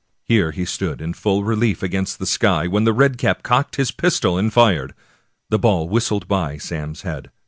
Here he stood in full relief against the sky, when the red cap cocked his pistol and fired. The ball whistled by Sam's head.